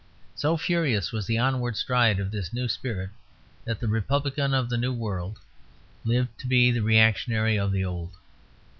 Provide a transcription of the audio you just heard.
So furious was the onward stride of this new spirit that the republican of the new world lived to be the reactionary of the old.